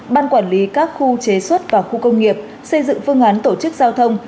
ban quản lý các khu chế xuất và khu công nghiệp xây dựng phương án tổ chức giao thông